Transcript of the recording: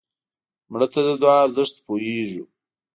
مړه ته د دعا ارزښت پوهېږو